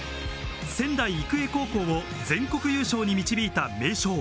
仙台育英高校を全国優勝に導いた名将。